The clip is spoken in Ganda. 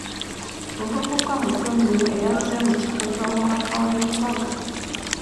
Omuvubuka muto nnyo eyazze mu kifo ky'omubaka w'e Rubaga.